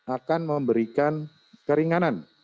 akan memberikan keringanan